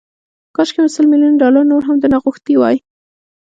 کاشکي مې سل ميليونه ډالر نور هم درنه غوښتي وای.